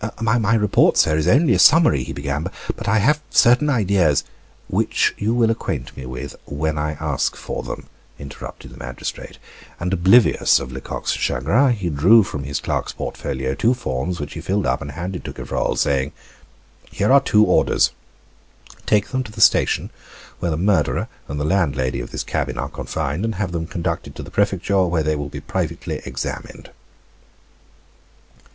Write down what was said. "My report, sir, is only a summary," he began, "but I have certain ideas " "Which you will acquaint me with, when I ask for them," interrupted the magistrate. And oblivious of Lecoq's chagrin, he drew from his clerk's portfolio two forms, which he filled up and handed to Gevrol, saying: "Here are two orders; take them to the station, where the murderer and the landlady of this cabin are confined, and have them conducted to the prefecture, where they will be privately examined."